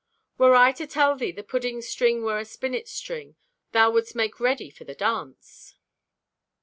"Were I to tell thee the pudding string were a spinet's string, thou wouldst make ready for the dance."